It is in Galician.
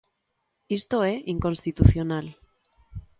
Isto é inconstitucional.